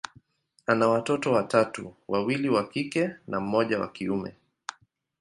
ana watoto watatu, wawili wa kike na mmoja wa kiume.